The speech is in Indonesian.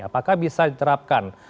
apakah bisa diterapkan